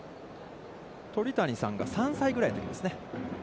鳥谷さんが３歳ぐらいのときですね。